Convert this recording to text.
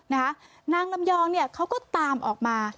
นางลำยองเนี่ยเขาก็ตามออกมา